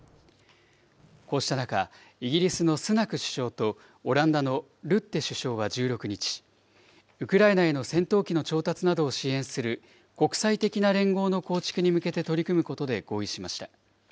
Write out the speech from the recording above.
こうした中、イギリスのスナク首相とオランダのルッテ首相は１６日、ウクライナへの戦闘機の調達などを支援する国際的な連合の構築に向けて取り組むことで合意しました。